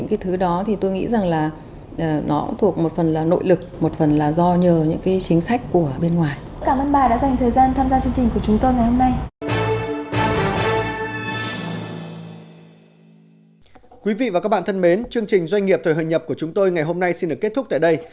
thưa quý vị và các bạn thân mến chương trình doanh nghiệp thời hội nhập của chúng tôi ngày hôm nay xin được kết thúc tại đây